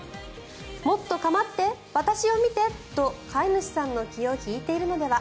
もっと構って、私を見てと飼い主さんの気を引いているのでは。